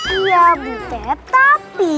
iya buta tapi